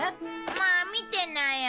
まあ見てなよ。